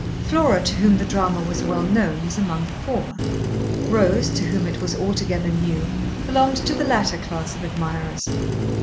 Flora, to whom the drama was well known, was among the former; Rose, to whom it was altogether new, belonged to the latter class of admirers.